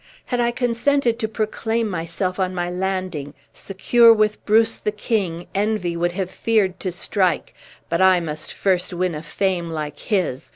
Had I consented to proclaim myself on my landing, secure with Bruce the king envy would have feared to strike; but I must first win a fame like his!